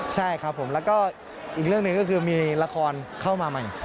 ใช่ครับผมแล้วก็อีกเรื่องหนึ่งก็คือมีละครเข้ามาใหม่